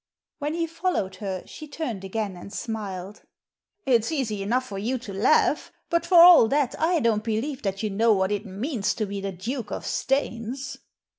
When he followed her she turned again and smiled. " It's easy enough for you to laugh, but for all that I don't believe that you know what it means to be the Duke of Staines."